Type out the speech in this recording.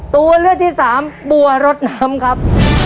ตัวเลือกที่สามบัวรถน้ำครับ